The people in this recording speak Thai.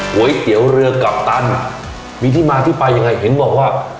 ก๋วยเตี๋ยวเรือกัปตันมีที่มาที่ไปยังไงเห็นบอกว่า